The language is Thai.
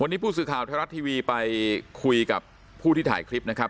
วันนี้ผู้สื่อข่าวไทยรัฐทีวีไปคุยกับผู้ที่ถ่ายคลิปนะครับ